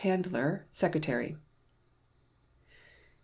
CHANDLER, Secretary.